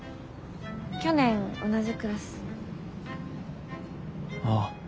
去年同じクラス。ああ。